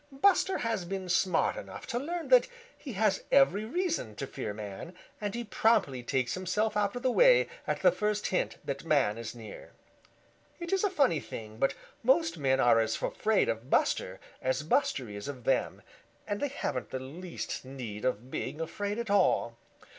Buster has been smart enough to learn that he has every reason to fear man, and he promptly takes himself out of the way at the first hint that man is near. It is a funny thing, but most men are as afraid of Buster as Buster is of them, and they haven't the least need of being afraid at all.